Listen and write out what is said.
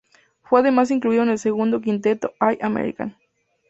Fue además incluido en el segundo quinteto All-American.